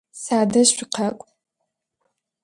Садэжь шъукъакӏу!